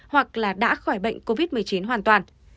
hoặc là đã khỏi bệnh covid một mươi chín hoàn toàn